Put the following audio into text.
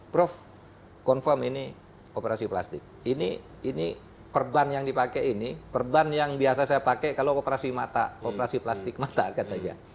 prof confirm ini operasi plastik ini perban yang dipakai ini perban yang biasa saya pakai kalau operasi mata operasi plastik mata katanya